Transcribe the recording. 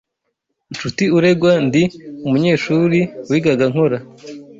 Nshuti Uregwa Ndi umunyeshuri wigaga nkora